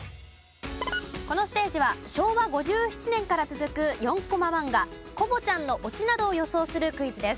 このステージは昭和５７年から続く４コマ漫画『コボちゃん』のオチなどを予想するクイズです。